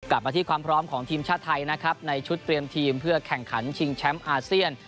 กลับมาที่ความพร้อมของทีมชาติไทยนะครับในชุดเตรียมทีมเพื่อแข่งขันชิงแชมป์อาเซียน